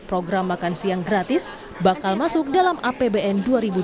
program makan siang gratis bakal masuk dalam apbn dua ribu dua puluh